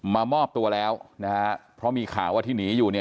มามอบตัวแล้วนะฮะเพราะมีข่าวว่าที่หนีอยู่เนี่ย